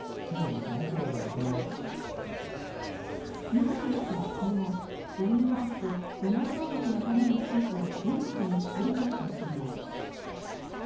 水野医師は今後、母乳バンクとドナー登録のための施設を全国に作りたいとしています。